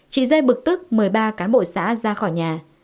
chị dê bực tức mời ba cán bộ xã ra khỏi nhà